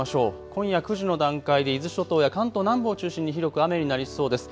今夜９時の段階で伊豆諸島や関東南部を中心に広く雨になりそうです。